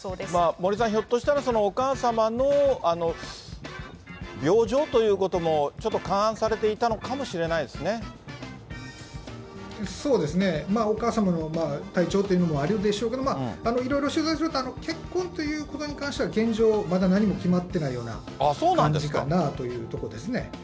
森さん、ひょっとしたらお母様の病状ということも、ちょっと勘案されていそうですね、お母様の体調というのもあるんでしょうけど、いろいろ取材すると、結婚ということに関しては現状、まだ何も決まってないような感じかなというところですね。